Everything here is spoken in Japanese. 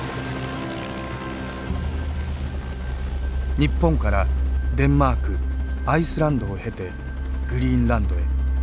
日本からデンマークアイスランドを経てグリーンランドへ。